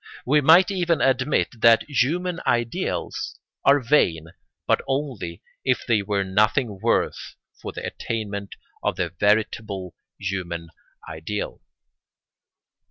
We might even admit that human ideals are vain but only if they were nothing worth for the attainment of the veritable human ideal.